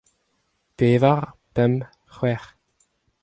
Pevar, pemp, c'hwec'h.